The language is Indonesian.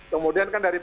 kemudian kan dari